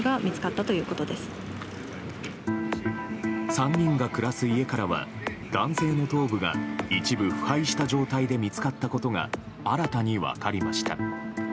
３人が暮らす家からは男性の頭部が一部腐敗した状態で見つかったことが新たに分かりました。